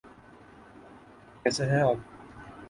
کیسے ہیں آپ؟